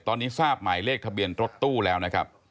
ตอนนี้ทราบหมายเลขทะเบียนรถตู้แล้วนะครับ